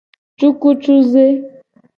Cukucuze.